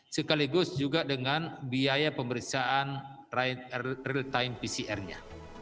sekaligus juga dengan biaya pemeriksaan real time pcr nya